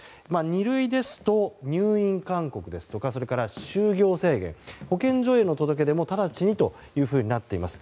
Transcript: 二類ですと入院勧告ですとかそれから就業制限保健所への届け出も直ちにとなっています。